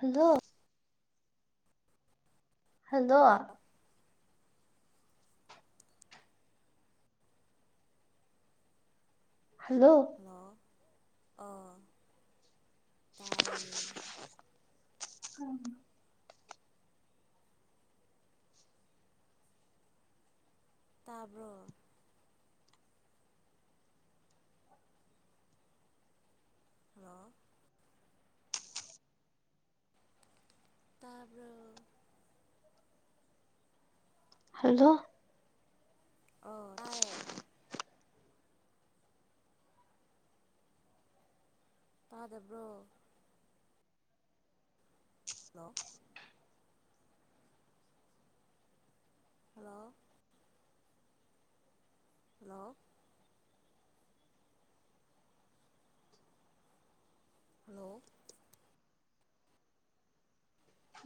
hello hello hello ꯑꯣ ꯇꯥꯏꯌꯦ ꯇꯥꯕ꯭ꯔꯣ ꯍꯥ ꯇꯥꯕꯔꯣ ꯍꯜꯂꯣ ꯑꯣ ꯇꯥꯏꯌꯦ ꯇꯥꯗꯕ꯭ꯔꯣ ꯗꯣ ꯍꯣ ꯍꯜꯂꯣ ꯍꯂꯣ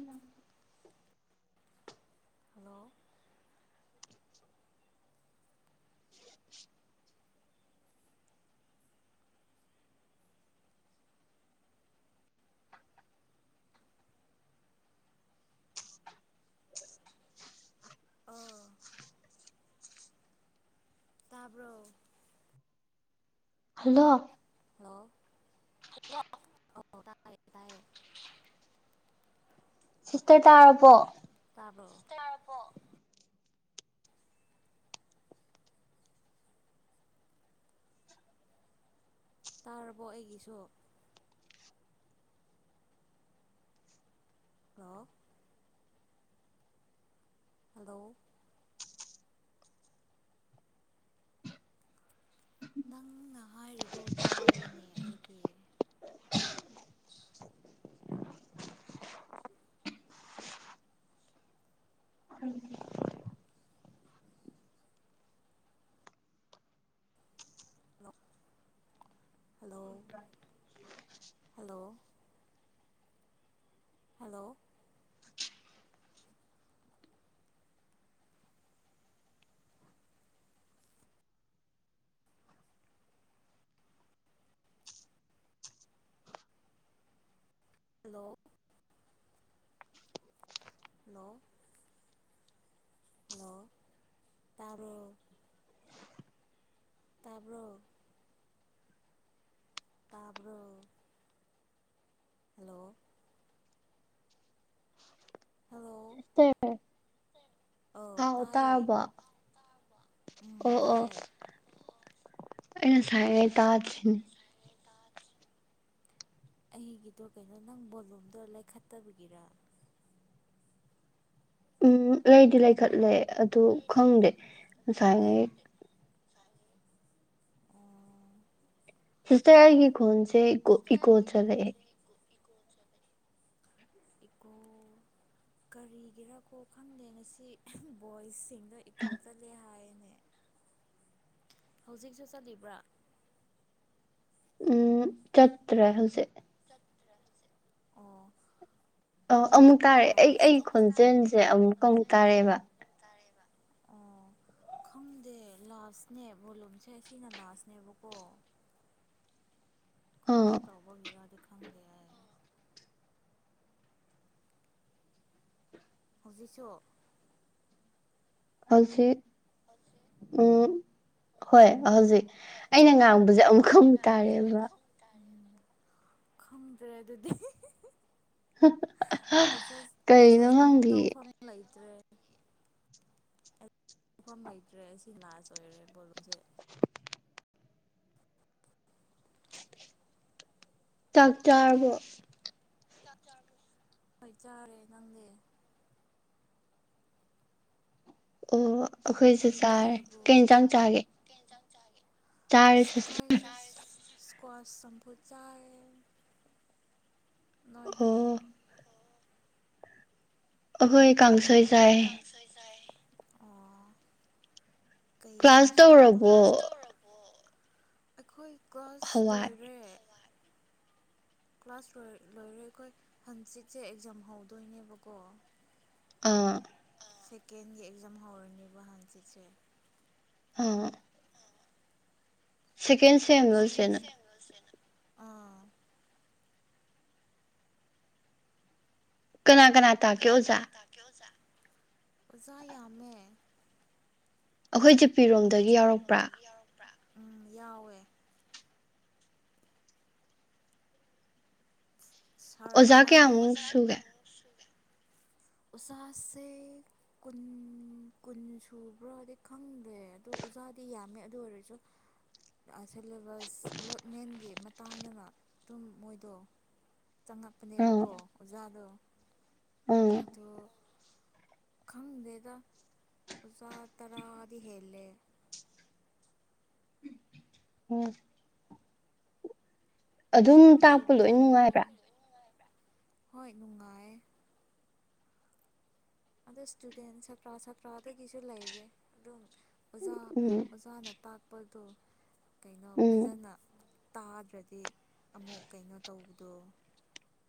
ꯎꯝ ꯍꯜꯂꯣ ꯑꯣ ꯇꯥꯕ꯭ꯔꯣ ꯍꯜꯂꯣ ꯍꯜꯂꯣ ꯍꯂꯣ ꯇꯥꯏ ꯇꯥꯏꯌꯦ ꯁꯤꯁꯇꯔ ꯇꯥꯔꯕꯣ ꯄꯣ ꯇꯥꯔꯕ ꯑꯩꯒꯤꯁꯨ ꯑꯣ ꯍꯜꯂꯣ ꯅꯪꯅ ꯍꯥꯏꯔꯤꯗꯣ ꯇꯥꯏꯅꯦ ꯑꯩꯒꯤ [unintelligible] ꯍꯂꯣ ꯍꯜꯂꯣ ꯍꯜꯂꯣ ꯍꯂꯣ ꯅ ꯍꯂꯣ ꯇꯥꯣ ꯇꯥꯔꯕꯣ ꯇꯥꯔꯕꯔꯣ ꯍꯜꯂꯣ ꯍꯜꯂꯣ ꯑꯧ ꯑꯥꯎ ꯇꯥꯏꯌꯦ ꯇꯥꯔꯕ ꯑꯣ ꯎꯝ ꯑꯣ ꯇꯥꯏꯌꯦ ꯑ ꯉ ꯁꯥꯏꯉꯩ ꯇꯥꯗ꯭ꯔꯤꯅꯦ ꯑꯩꯒꯤꯗꯣ ꯀꯩꯅꯣ ꯅꯪ ꯕꯣꯂꯨꯝꯗꯣ ꯂꯩꯥꯏꯈꯠꯇꯕꯒꯤꯔ ꯎꯝ ꯂꯩꯗꯤ ꯂꯩꯈꯠꯂꯦ ꯑꯗꯨ ꯈꯪꯗꯦ ꯉꯁꯥꯏꯉ ꯑꯣ ꯁꯤꯁꯇꯔꯒꯤ ꯀꯣꯟꯁꯦ ꯏꯀꯣ ꯏꯀꯣ ꯆꯂꯦ ꯏꯀꯣ ꯀꯔꯤꯒꯤꯔꯥ ꯀꯣ ꯈꯪꯗꯦ ꯉ ꯁꯤ ꯕꯣꯏꯁꯁꯤꯡꯗ ꯏꯀꯣ ꯆꯠꯂꯦ ꯍꯥꯏꯅ ꯍꯧꯖꯤꯛꯁꯨ ꯆꯠꯂꯤꯕ꯭ꯔꯥ ꯎꯝ ꯆꯠꯇ꯭ꯔꯦ ꯍꯧꯖꯤꯛ ꯑꯣ ꯑ ꯑꯃꯨꯛ ꯇꯥꯔꯛꯑꯦ ꯑꯩ ꯂꯥꯁꯇ ꯑꯩꯒꯤ ꯈꯣꯟꯖꯦꯜꯁꯦ ꯑꯃꯨꯛ ꯑꯃꯨꯛ ꯇꯥꯔꯛꯑꯦꯕ ꯑꯣ [unintelligible] ꯈꯪꯗꯦ ꯂꯥꯁꯅꯦ ꯚꯣꯂꯨꯝꯁꯦ ꯁꯤꯅ ꯂꯥꯁꯅꯦꯕꯀꯣ ꯑꯥ ꯀꯃꯥꯏꯅ ꯇꯧꯕꯒꯤꯔꯣ ꯑꯗꯨ ꯍꯧꯖꯤ ꯆꯣ ꯍꯧꯜꯁꯦ ꯎꯝ ꯍꯣꯏ ꯍꯧꯖꯤꯛ ꯑꯩꯅ ꯉꯥꯡꯕꯁꯦ ꯑꯃꯨꯛꯀ ꯑꯃꯛ ꯇꯥꯔꯦꯕ ꯈꯪꯗ꯭ꯔꯦ ꯑꯗꯨꯗꯤ ꯑꯦꯖ ꯀꯔꯤꯅꯣ ꯑꯦꯖꯁ ꯈꯪꯗꯤꯌꯦ ꯇꯧꯐꯝ ꯂꯩꯇ꯭ꯔꯦ ꯁꯐꯝ ꯂꯩꯇ꯭ꯔꯦ ꯑꯁꯤ ꯂꯥꯔꯖ ꯑꯣꯏꯔꯦ ꯕꯣꯂꯨꯝꯁꯦ ꯆꯥꯛ ꯆꯥꯔꯕꯣ ꯍꯣꯏ ꯆꯔꯦ ꯅꯪꯗꯤ ꯑꯣ ꯑꯩꯈꯣꯏꯁꯨ ꯅꯪꯗꯤ ꯆꯥꯔꯦ ꯆꯥꯔꯕꯣ ꯀꯩ ꯌꯦꯟꯁꯥꯡ ꯆꯥꯒꯦ ꯆꯥꯔꯦ ꯁꯤꯁꯇꯔ ꯑꯩꯈꯣꯏ ꯏꯁꯀ꯭ꯋꯥꯁ ꯁꯝꯄꯨ ꯆꯥꯏ ꯅꯣꯏꯗꯤ ꯑꯣ ꯑꯈꯣꯏ ꯀꯥꯡ ꯑꯈꯣꯏ ꯀꯥꯡꯁꯣꯏ ꯆꯥꯏ ꯀꯔꯤ ꯀ꯭ꯂꯥꯁ ꯀꯥꯡꯁꯣꯏꯅꯣ ꯇꯧꯔꯕꯣ ꯀꯂ꯭ꯥꯁ ꯇꯧꯔꯕꯔꯣ ꯑꯈꯣꯏ ꯀꯂ꯭ꯥꯁ ꯍꯋꯥꯏ ꯂꯣꯏꯔꯦ [inaudible] ꯀ꯭ꯂꯥꯁ ꯂꯣꯏꯔꯦ ꯑꯈꯣꯏ ꯍꯪꯆꯤꯠꯁꯦ ꯑꯦꯛꯖꯥꯝ ꯍꯧꯗꯣꯏꯅꯦꯕꯀꯣ ꯑ ꯁꯦꯀꯦꯟꯒꯤ ꯑꯦꯛꯖꯥꯝ ꯍꯧꯔꯅꯦꯕ ꯍꯪꯆꯤꯠꯁꯦ ꯑ ꯁꯦꯀꯦꯟ ꯁꯦꯝꯂꯣ ꯏꯆꯦ ꯅꯪ ꯑ ꯀꯅꯥ ꯀꯅꯥ ꯇꯥꯀꯦ ꯑꯣꯖꯥ ꯑꯣꯖꯥ ꯌꯥꯝꯃꯦ ꯑꯈꯣꯏ ꯖꯤꯄꯤꯔꯣꯝꯗꯒꯤ ꯌꯥꯎꯔꯛꯄ꯭ꯔꯥ ꯎꯝ ꯌꯥꯎꯌꯦ ꯁꯥꯔ ꯑꯣꯖꯥ ꯑꯃꯅꯦ ꯀꯌꯥꯃꯨ ꯁꯨꯒꯦ [inaudible] ꯑꯣꯖꯥꯁꯦ ꯀꯨꯟ ꯀꯨꯟ ꯁꯨꯕ꯭ꯔꯣꯗꯤ ꯈꯪꯗꯦ ꯑꯗꯣ ꯑꯣꯖꯥꯗꯤ ꯌꯥꯝꯃꯦ ꯑꯗꯨ ꯑꯣꯏꯔꯁꯨ [inaudible] ꯁꯦꯂꯦꯕꯁ ꯑꯦꯂꯣꯠꯃꯦꯟꯒꯤ ꯃꯇꯥꯡꯅꯦꯕ ꯑꯗꯨꯝ ꯃꯣꯏꯗꯣ ꯑꯥ ꯆꯪꯉꯛꯄꯅꯦꯕꯀꯣ ꯑꯣꯖꯥꯗꯣ ꯑꯥ ꯑꯗꯣ ꯈꯪꯗꯦꯗ ꯑꯣꯖꯥ ꯇꯔꯥꯗꯤ ꯍꯦꯜꯂꯦ ꯍꯨꯝ ꯑꯗꯨꯝ ꯖꯤ ꯇꯥꯛꯄ ꯂꯣꯏ ꯄꯤꯒꯤ ꯅꯨꯡꯉꯥꯏꯕ꯭ꯔ ꯍꯣꯏ ꯅꯨꯡꯉꯥꯏ ꯑꯗꯨ ꯏꯁꯇꯨꯗꯦꯟ ꯁꯥꯇ꯭ꯔ ꯁꯥꯇ꯭ꯔꯗꯒꯤꯁꯨ ꯂꯩꯔꯦ ꯑꯗꯨꯝ ꯑꯣꯖꯥ ꯎꯝ ꯑꯣꯖꯥꯅ ꯇꯥꯛꯄꯗꯣ ꯀꯩꯅꯣ ꯎꯝ ꯐꯖꯅ ꯇꯥꯗ꯭ꯔꯗꯤ ꯑꯃꯨꯛ ꯀꯩꯅꯣ ꯇꯧꯕꯗꯣ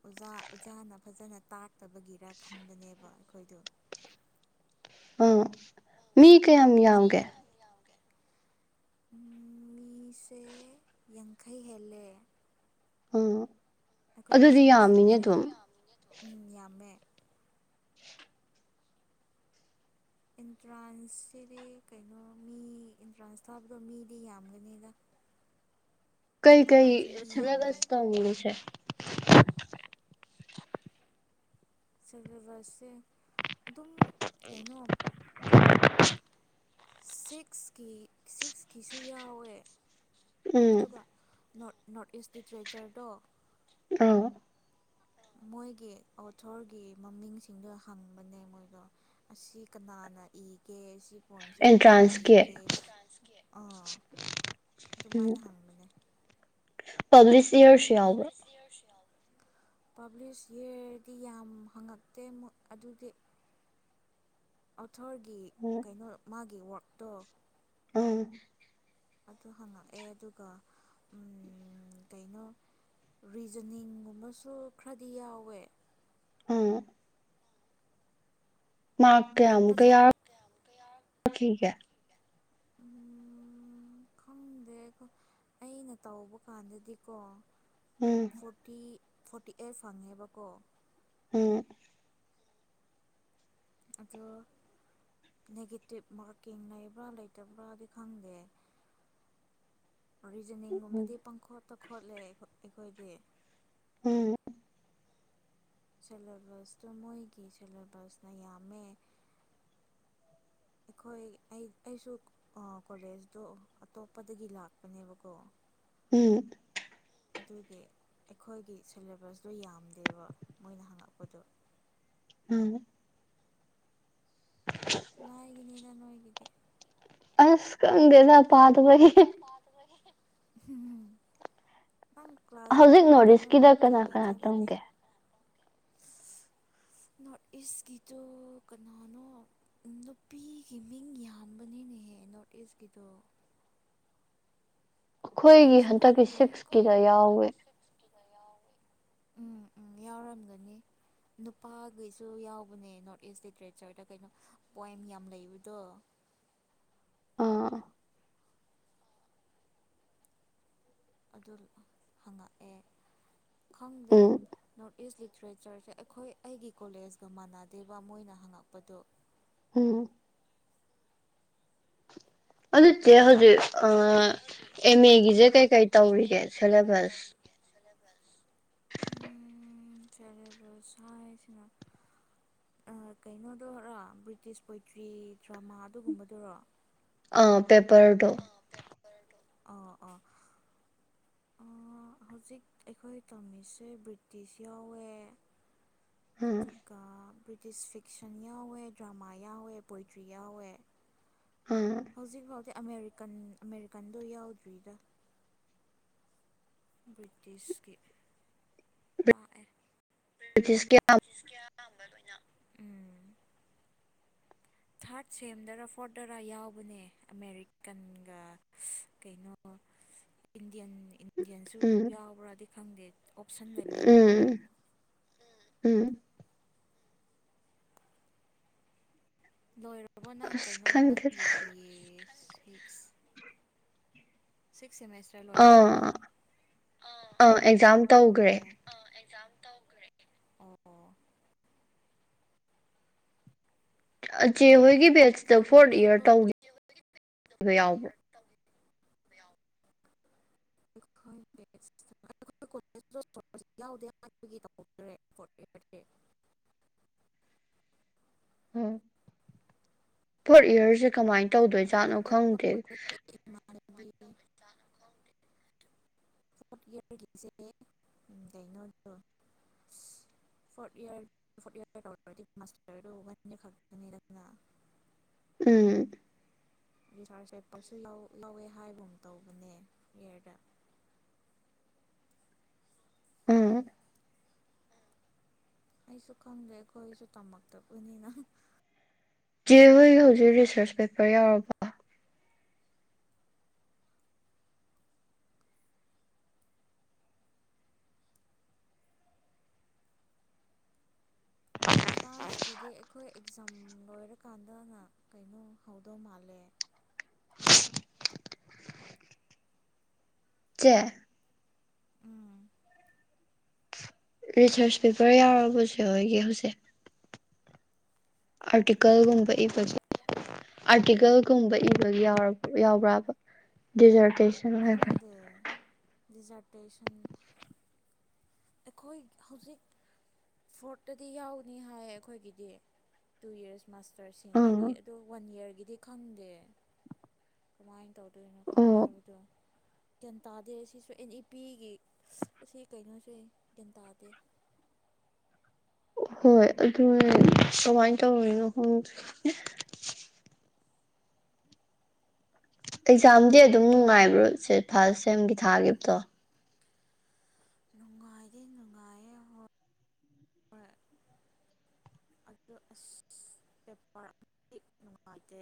ꯑꯣꯖꯥ ꯑꯣꯖꯥꯅ ꯐꯖꯅ ꯇꯥꯛꯇꯕꯒꯤꯔ ꯈꯟꯕꯅꯦꯕ ꯑꯈꯣꯏꯗꯣ ꯎꯝ ꯃꯤ ꯀꯌꯥꯝ ꯌꯥꯝꯒꯦ ꯃꯤꯁꯦ ꯌꯥꯡꯈꯩ ꯍꯦꯜꯂꯦ ꯑꯥ ꯑꯈꯣꯏꯒꯤ ꯑꯗꯨꯗꯤ ꯌꯥꯝꯃꯤꯅꯦ ꯁꯦꯃꯤꯁꯇꯔꯁꯦ ꯑꯗꯨꯗꯤ ꯑꯗꯨꯝ ꯌꯥꯝꯃꯤꯅꯦ ꯑꯗꯨꯝ ꯎꯝ ꯌꯥꯝꯃꯦ ꯑꯦꯟꯇ꯭ꯔꯥꯟꯁꯁꯤꯗꯤ ꯀꯩꯅꯣ ꯃꯤ ꯑꯦꯟꯇ꯭ꯔꯥꯟꯁ ꯊꯥꯕꯗꯣ ꯃꯤꯗꯤ ꯌꯥꯝꯒꯅꯤꯗ [inaudible] ꯀꯩ ꯀꯩ ꯅꯍꯥꯟꯁꯨ ꯃꯤ ꯌꯥꯝꯃꯦ ꯁꯂꯦꯕꯔꯁ ꯇꯧꯔꯤꯅꯣ ꯏꯆꯦ ꯁꯂꯦꯕꯔꯁꯁꯦ ꯑꯗꯨꯝ ꯀꯩꯅꯣ ꯁꯤꯛꯁꯀꯤ ꯁꯤꯛꯁꯀꯤꯁꯨ ꯌꯥꯎꯌꯦ ꯎꯝ ꯑꯗꯨꯒ ꯅꯣꯔꯠ ꯏꯁ ꯂꯤꯇ꯭ꯔꯦꯆꯔꯗꯣ ꯑꯥ ꯃꯣꯏꯒꯤ ꯑꯣꯊꯣꯔꯒꯤ ꯃꯃꯤꯡꯁꯤꯡꯗꯣ ꯍꯪꯕꯅꯦ ꯃꯣꯏꯗꯣ ꯑꯁꯤ ꯀꯅꯥ ꯀꯅꯥ ꯏꯒꯦ ꯁꯤ ꯄꯣꯏꯝꯁꯦ ꯀꯅꯥꯅ ꯑꯦꯟꯇ꯭ꯔꯥꯟꯁꯀꯤ ꯏꯒꯦ ꯑꯥ ꯑꯗꯨꯃꯥꯏꯅ ꯍꯪꯕꯅꯦ ꯄꯕꯂꯤꯁ ꯄꯕꯂꯤꯁꯤꯔꯁꯤꯌꯥ ꯄꯥꯕ꯭ꯂꯤꯁ ꯏꯔꯗꯤ ꯌꯥꯝ ꯍꯪꯉꯛꯇꯦ ꯑꯗꯨꯗꯤ ꯑꯣꯊꯔꯒꯤ ꯎꯝ ꯀꯩꯅꯣ ꯃꯥꯒꯤ ꯋ꯭ꯔꯛ ꯇꯣ ꯎꯝ ꯑꯗꯨ ꯍꯪꯉꯛꯑꯦ ꯑꯗꯨꯒ ꯀꯩꯅꯣ ꯔꯤꯖꯅꯤꯡꯒꯨꯝꯕꯁꯨ ꯈꯔꯗꯤ ꯌꯥꯎꯋꯦ ꯎꯝ ꯑꯗꯣ ꯃꯥꯀꯀ ꯐꯖ ꯀ ꯌꯥ ꯎꯝ ꯈꯪꯗꯦ ꯑꯩꯅ ꯇꯧꯕ ꯀꯥꯟꯗꯗꯤꯀꯣ ꯎꯝ ꯐꯣꯔꯇꯤ ꯐꯣꯔꯇꯤ ꯑꯩꯠ ꯐꯪꯉꯦꯕꯀꯣ ꯎꯝ ꯑꯗꯣ ꯅꯦꯒꯦꯇꯤꯞ ꯃꯥꯔꯀꯤꯡ ꯂꯩꯕ꯭ꯔꯥ ꯂꯩꯇꯕ꯭ꯔꯥꯗꯤ ꯈꯪꯗꯦ [unintelligible] [inaudible] ꯎꯝ ꯔꯤꯖꯅꯤꯡꯒꯨꯝꯕꯗꯤ ꯄꯥꯡꯈꯣꯠꯇ ꯈꯣꯠꯂꯦ ꯑꯩꯈꯣꯏꯗꯤ ꯎꯝ ꯁꯦꯂꯦꯕꯁꯇꯣ ꯃꯣꯏꯒꯤ ꯁꯦꯂꯦꯕꯁꯅ ꯌꯥꯝꯃꯦ [unintelligible] [inaudible] ꯑꯩꯈꯣꯏ ꯑꯩ ꯑꯩꯁꯨ ꯀꯣꯂꯦꯖꯇꯣ ꯑꯇꯣꯞꯄꯗꯒꯤ ꯂꯥꯛꯄꯅꯦꯕꯀꯣ ꯎꯝ ꯑꯗꯨꯗꯗ ꯑꯩꯈꯣꯏꯒꯤ ꯁꯦꯂꯦꯕꯁꯇꯣ ꯌꯥꯝꯗꯦꯕ ꯃꯣꯏꯅ ꯍꯪꯉꯛꯄꯗꯣ ꯎꯝ ꯅꯒꯤꯅꯤꯅ ꯅꯣꯣꯏꯗ ꯑꯁꯀꯗꯦꯗ ꯄꯥꯗꯕ ꯎꯝ ꯃꯥ ꯀ꯭ꯂꯥꯁ ꯍꯧꯖꯤꯛ ꯑꯗꯨꯝ ꯅꯣꯔꯠ ꯀꯩꯅꯣ ꯏꯁꯀꯤꯗ ꯅꯨꯡꯇꯤꯒꯤ ꯀꯅꯥ ꯀꯅꯥ ꯆꯠꯂꯗꯤ ꯇꯝꯒꯦ ꯅꯣꯔꯠ ꯏꯁꯀꯤꯗꯣ ꯀꯅꯥꯅꯣ ꯅꯨꯄꯤꯒꯤ ꯃꯤꯡ ꯌꯥꯝꯕꯅꯤꯅ ꯅꯍꯦ ꯅꯣꯔꯠ ꯏꯁꯀꯤꯗꯣ ꯑꯩꯈꯣꯏꯒꯤ ꯑꯩꯁꯨ ꯍꯟꯗꯛꯀꯤ ꯈꯪꯗꯦ ꯑꯩꯈꯣꯏ ꯁꯤꯛꯁꯀꯤꯗ ꯌꯥꯎꯋꯦ ꯎꯝ ꯎꯝ ꯌꯥꯎꯔꯝꯗꯨꯅꯤ ꯅꯨꯄꯥꯈꯩꯁꯨ ꯌꯥꯎꯕꯅꯦ ꯅꯣꯔꯠ ꯏꯁ ꯂꯤꯇꯔꯦꯆꯔꯗ ꯀꯩꯅꯣ ꯄꯣꯏꯝ ꯌꯥꯝ ꯂꯩꯕꯗꯣ ꯑꯥ [inaudible] ꯑꯗꯨ ꯍꯪꯉꯛꯑꯦ ꯈꯪꯗꯦꯠ ꯎꯝ ꯏꯁ ꯂꯤꯇꯔꯦꯆꯔꯁꯦ ꯑꯩꯈꯣꯏ ꯑꯩꯒꯤ ꯀꯣꯂꯦꯖꯀ ꯃꯥꯟꯅꯗꯦꯕ ꯃꯣꯏꯅ ꯍꯪꯉꯛꯄꯗꯣ ꯎꯝ ꯑꯗꯨ ꯆꯦ ꯍꯧ ꯑꯦꯝ ꯑꯦꯒꯤꯁꯦ ꯀꯩ ꯀꯩ ꯇꯧꯔꯤꯒꯦ ꯁꯤꯦꯂꯦꯕꯁ [unintelligible] [inaudible] ꯎ ꯆꯂꯦꯕꯕꯁꯥ ꯍꯥꯏꯁꯤꯅ ꯀꯩꯅꯣꯗꯔꯥ ꯕ꯭ꯔꯤꯇꯤꯁ ꯄꯣꯏꯇ꯭ꯔꯤ ꯗ꯭ꯔꯃꯥ ꯑꯗꯨꯒꯨꯝꯕꯗꯨꯔꯣ ꯄꯦꯄꯔꯗꯣ ꯑꯣ ꯑꯥ ꯍꯧꯖꯤꯛ ꯑꯩꯈꯣꯏ ꯇꯝꯃꯤꯁꯦ ꯕ꯭ꯔꯤꯇꯤꯁ ꯌꯥꯎꯋꯦ ꯎꯝ ꯑꯗꯨ ꯒꯥ ꯤꯁ ꯐꯤꯛꯁꯟ ꯌꯥꯎꯋꯦ ꯗ꯭ꯔꯃꯥ ꯌꯥꯎꯋꯦ ꯄꯣꯏꯇ꯭ꯔꯤ ꯌꯥꯎꯋꯦ ꯎꯝ ꯍꯧꯖꯤꯛ ꯐꯥꯎꯗꯤ ꯑꯃꯦꯔꯤꯀꯟ ꯑꯃꯦꯔꯤꯀꯟꯗꯣ ꯌꯥꯎꯗ꯭ꯔꯤꯔ ꯕ꯭ꯔꯤꯇꯤꯁꯀꯤ ꯇꯥꯛꯑꯦ ꯇꯤꯁ ꯀꯌꯥ ꯂ ꯎꯝ ꯊꯥꯔꯠ ꯁꯦꯝꯗꯔꯥ ꯐꯣꯔꯠꯇꯗꯔ ꯌꯥꯎꯕꯅꯦ ꯑꯃꯦꯔꯤꯀꯟꯒ ꯀꯩꯅꯣ [unintelligible] [inaudible] ꯏꯟꯗꯤꯌꯟ ꯏꯟꯗꯤꯌꯥꯟꯁꯨ ꯎꯝ ꯌꯥꯎꯕ꯭ꯔꯥꯗꯤ ꯈꯪꯗꯦ ꯑꯣꯞꯁꯟ ꯂꯩꯕꯅꯦꯕꯀꯣ ꯎꯝ ꯎꯝ ꯂꯣꯏꯔꯕꯣ ꯅꯪ ꯑꯁ ꯀꯩꯅꯣ ꯈꯪꯗꯦꯗ ꯅꯪꯒꯤ ꯕꯤ ꯑꯦ ꯁꯤꯛꯁ ꯇ ꯂꯣꯏꯔꯕꯅ ꯑꯥ ꯑꯥ ꯑꯦꯛꯖꯥꯝ ꯇꯧꯈ꯭ꯔꯦ ꯑꯣ ꯆꯦ ꯍꯣꯏꯒꯤ ꯕꯦꯁꯇ ꯐꯣꯔꯠ ꯏꯌꯥꯔ ꯇꯧꯒ ꯌꯥꯎꯕ꯭ꯔꯥ [unintelligible] ꯑꯩꯈꯣꯏ ꯀꯣ ꯌꯥꯎꯗꯦ ꯍꯥꯏꯕꯒꯤ ꯇꯧꯇ꯭ꯔꯦ ꯍꯝ ꯐꯣꯔ ꯏꯌꯥꯔꯁꯁꯦ ꯀꯃꯥꯏꯅ ꯑꯗꯣ ꯇꯧꯗꯣꯏꯖꯥꯠꯅꯣ ꯑꯇꯣꯞꯄ ꯈꯪꯗꯦ ꯀꯣꯂꯦꯖꯇ [unintelligible] ꯐꯣꯔꯔꯒꯤꯁꯦ ꯀꯩꯅꯣ [unintelligible] [unintelligible] ꯎꯝ ꯔꯤꯁꯥꯔꯖꯦꯄꯁꯨ ꯂꯧꯋꯦ ꯍꯥꯏꯕ ꯑꯃ ꯇꯧꯕꯅꯦ ꯀꯌꯔꯗ [unintelligible] ꯎꯝ ꯑꯩꯁꯨ ꯈꯪꯗꯦꯀꯣ ꯑꯩꯁꯨ ꯇꯝꯃꯛꯇꯕꯅꯤꯅ ꯆꯦ ꯍꯣꯏꯒꯤ ꯍꯧꯖꯤꯛ ꯔꯤꯁꯔꯁ ꯄꯦꯄꯔ ꯌꯥꯎꯔꯕꯣ ꯑꯦꯟꯇ꯭ꯔꯥꯟꯁꯀꯤꯗꯤ ꯑꯩꯈꯣꯏ ꯑꯦꯛꯖꯥꯝ ꯂꯣꯏꯔꯀꯥꯟꯗꯅ ꯀꯩꯅꯣ ꯍꯧꯗꯧ ꯃꯥꯜꯂꯦ [unintelligible] ꯆꯦ ꯎꯝ ꯔꯤꯁꯔꯁ ꯄꯦꯄꯔ ꯌꯥꯎꯔꯕꯁꯨ ꯑꯣꯏꯒꯤ ꯍꯧꯖꯤꯛ ꯀꯩ ꯑꯥꯔꯇꯤꯀꯜꯒꯨꯝꯕ ꯍꯥꯏꯕ ꯏ ꯐꯖꯩ ꯑꯥꯔꯇꯤꯀꯜꯒꯨꯝꯕ ꯏꯕꯒꯤ ꯌꯥꯎꯕ꯭ꯔꯕ ꯗꯤꯖꯔꯇꯦꯁꯟ ꯍꯥꯏꯕꯅꯤ ꯗꯤꯖꯔꯇꯦꯁꯟ ꯑꯩꯈꯣꯏ ꯍꯧꯖꯤꯛ ꯐꯣꯔꯠꯇꯗꯤ ꯌꯥꯎꯅꯤ ꯍꯥꯏ ꯑꯩꯈꯣꯏꯒꯤꯗꯤ ꯇꯨ ꯌꯔꯁ ꯃꯥꯁꯇꯔꯁꯤꯡꯒꯤꯗꯤ ꯑꯥ ꯑꯗꯨꯗꯣ ꯋꯥꯟ ꯏꯌꯥꯔꯒꯤꯗꯤ ꯈꯪꯗꯦ ꯀꯃꯥꯏꯅ ꯇꯧꯗꯣꯏꯅꯣ ꯑꯣ ꯍꯥꯏꯕꯗꯣ ꯒ꯭ꯌꯥꯟ ꯇꯥꯗꯦ ꯁꯤꯁꯨ ꯑꯦꯟ ꯏ ꯄꯤꯒꯤ ꯑꯁꯤ ꯀꯩꯅꯣꯁꯦ [unintelligible] ꯗꯥꯗ ꯍꯣꯏ ꯑꯗꯨ ꯀꯃꯥꯏꯅ ꯇꯧꯔꯤꯅꯣ ꯍꯪꯗ ꯑꯦꯛꯖꯥꯝꯗꯤ ꯑꯗꯨꯝ ꯅꯨꯡꯉꯥꯏꯕ꯭ꯔꯣ ꯁꯦ ꯐꯥꯔꯁ ꯁꯦꯝꯒꯤ ꯊꯥꯒꯤꯈꯤꯕꯗꯣ ꯅꯨꯡꯉꯥꯏꯗꯤ ꯅꯨꯡꯉꯥꯏꯌꯦ ꯍꯣꯏ ꯑꯗꯨ ꯑꯁ ꯄꯦꯄꯔ ꯑꯃꯗꯤ ꯅꯨꯡꯉꯥꯏꯇꯦ